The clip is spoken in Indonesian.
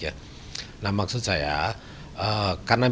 maksud saya karena biogas itu dianggap sebagai biogas